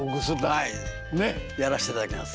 はいやらせていただきます。